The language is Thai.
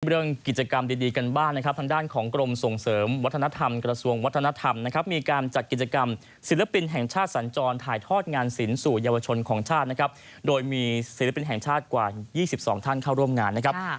เรื่องกิจกรรมดีกันบ้างนะครับทางด้านของกรมส่งเสริมวัฒนธรรมกระทรวงวัฒนธรรมนะครับมีการจัดกิจกรรมศิลปินแห่งชาติสัญจรถ่ายทอดงานศิลปสู่เยาวชนของชาตินะครับโดยมีศิลปินแห่งชาติกว่า๒๒ท่านเข้าร่วมงานนะครับ